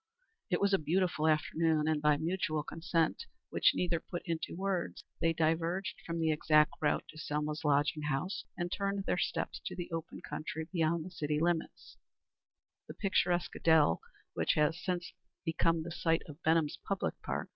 It was a beautiful afternoon, and by mutual consent, which neither put into words, they diverged from the exact route to Selma's lodging house and turned their steps to the open country beyond the city limits the picturesque dell which has since become the site of Benham's public park.